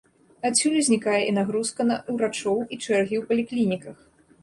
Адсюль узнікае і нагрузка на ўрачоў, і чэргі ў паліклініках.